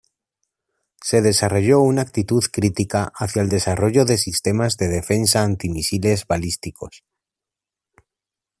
Se desarrolló una actitud crítica hacia el desarrollo de sistemas de defensa antimisiles balísticos.